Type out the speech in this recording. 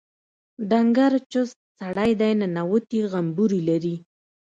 ډنګر چوست سړی دی ننوتي غومبري لري.